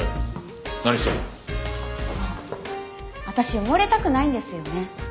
私埋もれたくないんですよね。